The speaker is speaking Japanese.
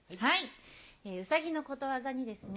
ウサギのことわざにですね